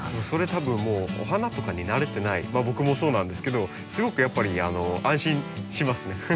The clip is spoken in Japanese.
それ多分もうお花とかに慣れてない僕もそうなんですけどすごくやっぱり安心しますね。